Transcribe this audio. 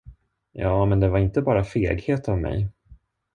Ja, men det var inte bara feghet av mig.